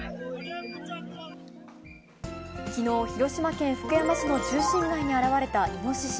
きのう、広島県福山市の中心街に現れたイノシシ。